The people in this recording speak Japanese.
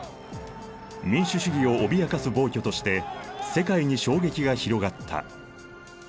民主主義を脅かす暴挙として世界に衝撃が広がった。